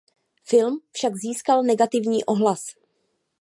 Film však získal negativní ohlas.